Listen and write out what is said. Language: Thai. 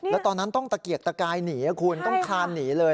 แล้วตอนนั้นต้องตะเกียกตะกายหนีคุณต้องคลานหนีเลย